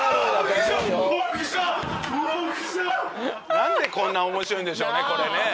何でこんな面白いんでしょうねなあ